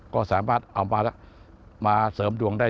ก็สามารถเอามาเสริมดวงได้